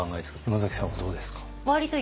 山崎さんはどうですか？